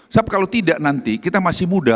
sebab kalau tidak nanti kita masih muda